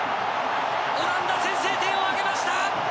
オランダ、先制点を挙げました！